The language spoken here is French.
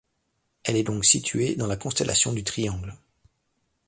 Elle est donc située dans la constellation du Triangle.